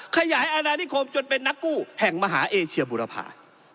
ขยายอนานิคมจนเป็นนักกู้แห่งมหาเอเชียบุรพา